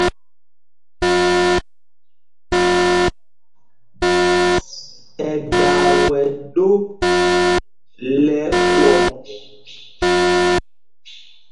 Ɛdaa wɛ ɗó lɛ́ ɛkwɔ̌ŋ.